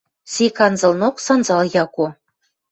Сек анзылнок – Санзал Яко.